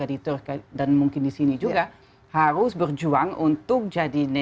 jadi media di amerika dan juga di turki dan mungkin di sini juga harus berjuang untuk jadi netralitas